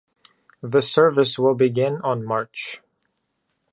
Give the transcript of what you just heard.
The service will begin on March.